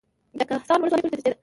د کهسان ولسوالۍ پولې ته نږدې ده